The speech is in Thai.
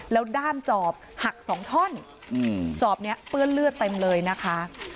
แล้วด้ามจอบหักสองท่อนจอบนี้เปื้อนเลือดเต็มเลยนะคะ